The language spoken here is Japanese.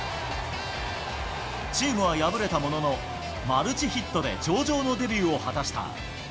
チームは敗れたものの、マルチヒットで上々のデビューを果たした。